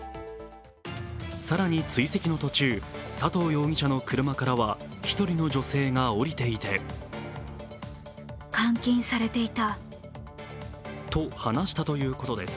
更に、追跡の途中佐藤容疑者の車からは１人の女性が降りていてと話したということです。